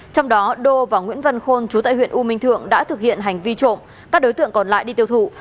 trong đó đô và nguyễn văn khôn chú tại huyện u minh thượng đã thực hiện hành vi trộm các đối tượng còn lại đi tiêu thụ